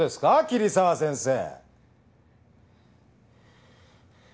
桐沢先生。